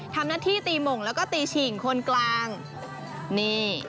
ทำหน้าที่ตีหม่งแล้วก็ตีฉิ่งคนกลางนี่